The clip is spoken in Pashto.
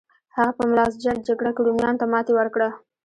هغه په ملازجرد جګړه کې رومیانو ته ماتې ورکړه.